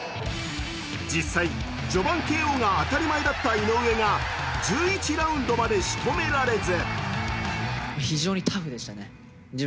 実際、序盤ＫＯが当たり前だった井上が１１ラウンドまで、しとめられず。